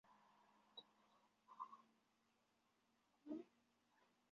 近年在岭南大学文化研究系及香港中文大学宗教及文化研究系任兼职讲师。